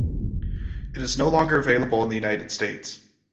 It is no longer available in the United States.